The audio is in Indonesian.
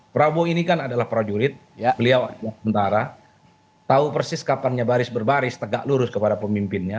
prabowo ini kan adalah prajurit beliau sementara tahu persis kapannya baris berbaris tegak lurus kepada pemimpinnya